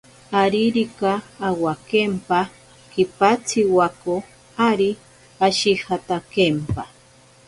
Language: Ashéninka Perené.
Aririka awakempa kipatsiwako, ari ashijatakempa.